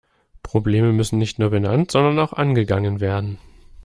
Probleme müssen nicht nur benannt, sondern auch angegangen werden.